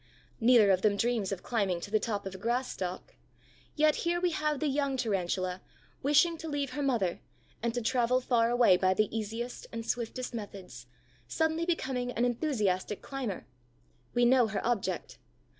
Neither of them dreams of climbing to the top of a grass stalk. Yet here we have the young Tarantula, wishing to leave her mother and to travel far away by the easiest and swiftest methods, suddenly becoming an enthusiastic climber. We know her object.